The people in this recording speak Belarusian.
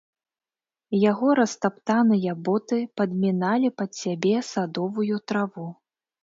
Яго растаптаныя боты падміналі пад сябе садовую траву.